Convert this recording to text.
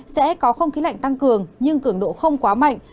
sẽ có không khí lạnh tăng cường nhưng cường độ không quá mạnh